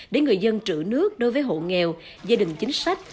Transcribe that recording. để người dân trữ nước đối với hộ nghèo gia đình chính sách